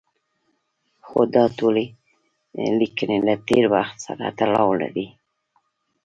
خو دا ټولې لیکنې له تېر وخت سره تړاو لري.